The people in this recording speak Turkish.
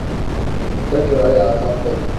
Tekrar ayağa kalktı.